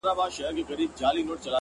دا عجیبه شاني درد دی” له صیاده تر خیامه”